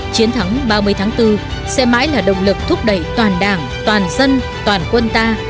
chiến thắng ba mươi tháng bốn sẽ mãi là động lực thúc đẩy toàn đảng toàn dân toàn quân ta